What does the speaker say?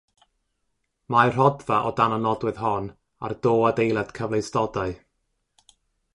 Mae'r rhodfa o dan y nodwedd hon ar do adeilad cyfleustodau.